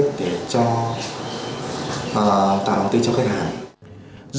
để tạo niềm tin cho khách hàng